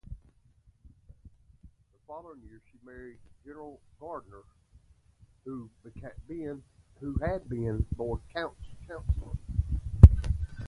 The following year, she married Gerald Gardiner, who had been Lord Chancellor.